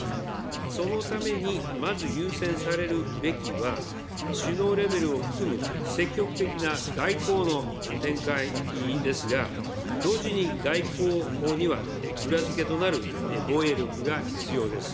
そのためにまず優先されるべきは、首脳レベルを含む積極的な外交の展開ですが、同時に外交には、裏付けとなる防衛力が必要です。